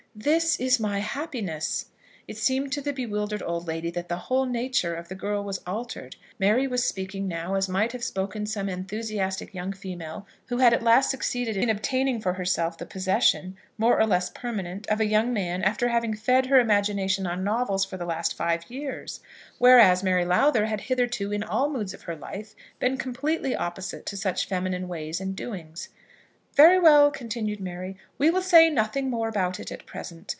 "This is my happiness." It seemed to the bewildered old lady that the whole nature of the girl was altered. Mary was speaking now as might have spoken some enthusiastic young female who had at last succeeded in obtaining for herself the possession, more or less permanent, of a young man, after having fed her imagination on novels for the last five years; whereas Mary Lowther had hitherto, in all moods of her life, been completely opposite to such feminine ways and doings. "Very well," continued Mary; "we will say nothing more about it at present.